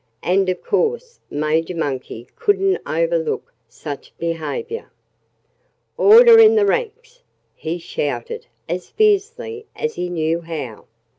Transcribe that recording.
And of course Major Monkey couldn't overlook such behavior. "Order in the ranks!" he shouted as fiercely as he knew how.